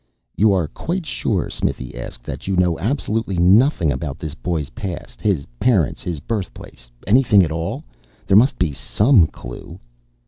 "You are quite sure," Smithy asked, "that you know absolutely nothing about this boy's past? His parents, his birthplace anything at all? There must be some clue."